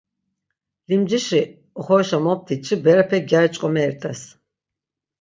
Limcişi oxorişa moptitşi berepe gyari ç̆k̆omeri rt̆es.